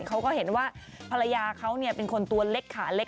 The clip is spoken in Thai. เขาก็เห็นว่าภรรยาเขาเป็นคนตัวเล็กขาเล็ก